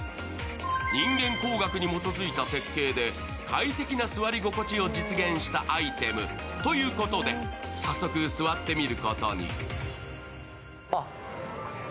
人間工学に基づいた設計で快適な座り心地を実現したアイテムということで、早速、座ってみることに。